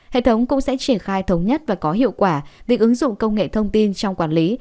hệ thống cũng sẽ triển khai thống nhất và có hiệu quả việc ứng dụng công nghệ thông tin trong quản lý